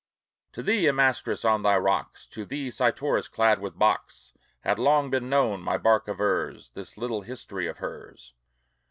To thee, Amastris, on thy rocks, To thee, Cytorus, clad with box, Has long been known, my bark avers, This little history of hers.